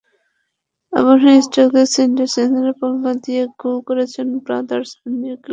আবাহনীর striker Sunday Chizoba সঙ্গে পাল্লা দিয়ে গোল করছেন ব্রাদার্সের এনকোচা কিংসলে।